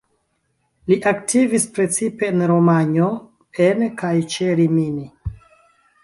Li aktivis precipe en Romanjo, en kaj ĉe Rimini.